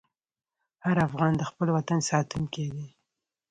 هر افغان د خپل وطن ساتونکی دی.